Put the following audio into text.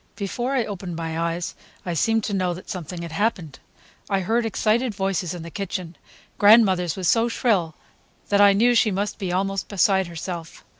Before I opened my eyes, I seemed to know that something had happened. I heard excited voices in the kitchen—grandmother's was so shrill that I knew she must be almost beside herself.